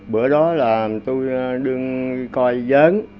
bữa đó là tôi đứng coi giớn